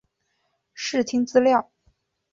视听资料